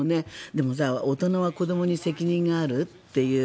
でも、大人は子どもに責任があるという。